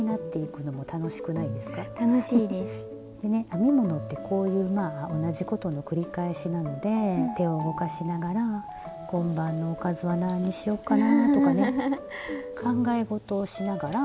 編み物ってこういうまあ同じことの繰り返しなので手を動かしながら「今晩のおかずは何にしようかな」とかね考え事をしながら。